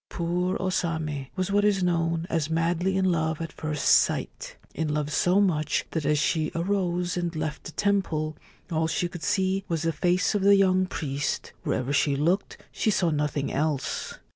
Poor O Same was what is known as madly in love at first sight, — in love so much that as she arose and left the temple all she could see was the face of the young priest ; wherever she looked she saw nothing else.